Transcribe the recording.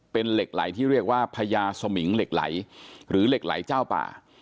เป็นเหล็กไหลที่เรียกว่าพญาสมิงเหล็กไหลหรือเหล็กไหลเจ้าป่า